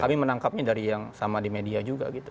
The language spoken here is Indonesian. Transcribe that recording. kami menangkapnya dari yang sama di media juga gitu